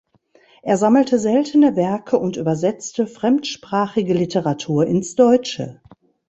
Er sammelte seltene Werke und übersetzte fremdsprachige Literatur ins Deutsche.